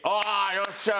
よっしゃー！